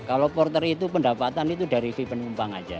kalau porter itu pendapatan itu dari vipenumpang aja